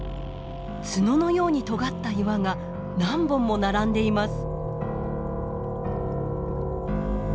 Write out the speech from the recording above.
角のようにとがった岩が何本も並んでいます。